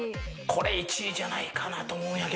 これ１位じゃないかなと思うんやけどね。